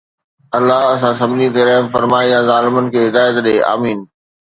الله اسان سڀني تي رحم فرمائي يا ظالمن کي هدايت ڏي، آمين